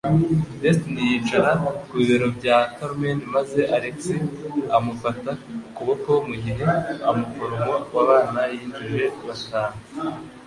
Destiny yicaye ku bibero bya Carmen maze Alex amufata ukuboko mu gihe umuforomo w'abana yinjije IV.